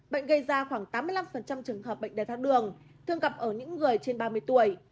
bệnh gây ra khoảng tám mươi năm trường hợp bệnh đường thường gặp ở những người trên ba mươi tuổi